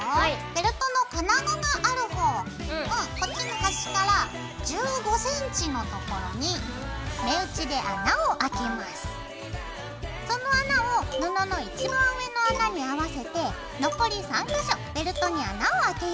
ベルトの金具がある方をこっちの端から１５ｃｍのところにその穴を布の一番上の穴に合わせて残り３か所ベルトに穴をあけよう。